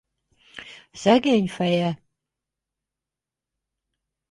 Szegény feje!